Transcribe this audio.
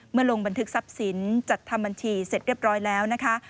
ลงบันทึกทรัพย์สินจัดทำบัญชีเสร็จเรียบร้อยแล้วนะคะ